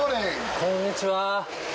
こんにちは。